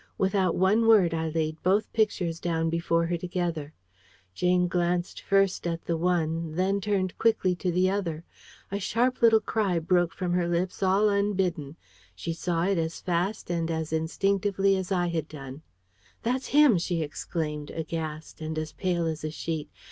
Without one word I laid both pictures down before her together. Jane glanced first at the one, then turned quickly to the other. A sharp little cry broke from her lips all unbidden. She saw it as fast and as instinctively as I had done. "That's him!" she exclaimed, aghast, and as pale as a sheet.